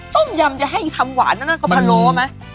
ต้มยำจะให้ทำหวานก็พัลโลมั้ย